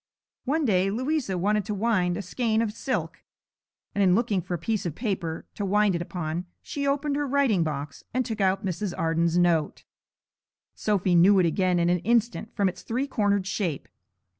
One day Louisa wanted to wind a skein of silk, and in looking for a piece of paper to wind it upon she opened her writing box, and took out Mrs. Arden's note. Sophy knew it again in an instant from its three cornered shape.